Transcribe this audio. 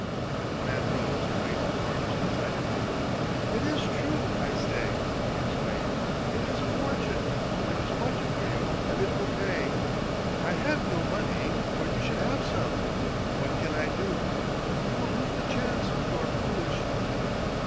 The man rose and waved his arms excitedly. "It is true, I say !" he exclaimed. "It is a fortune ! There is much for you, and it will pay ! I have no money, or you should have some. What can I do ? You will lose the chance if you are foolish